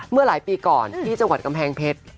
เมื่อหลายปีก่อนที่จังหวัดกำแพงเพชร